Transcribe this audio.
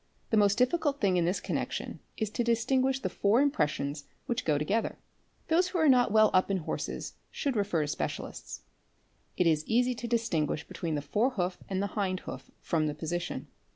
The most difficult thing this connection is to distinguish the four impressions which go to gether. Those who are not well up in horses should refer to specialists. It is easy to distinguish between the fore hoof and the hind hoof from the position.